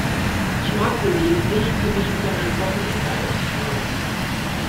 Ich mag Kollegen nicht, die mich über mein Wochenende ausfragen.